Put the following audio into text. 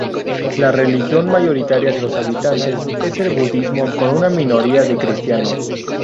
La religión mayoritaria de los habitantes es el budismo con una minoría de cristianos.